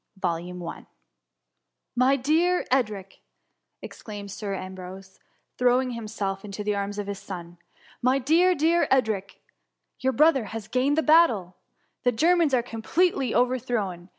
*^ My dear Edric, exclaimed Sir Ambrose^ thro^ng himself into the arms of his son, *^ my dear, dear Edric ! your brother has gained the battle! The Germans are completely over thrown.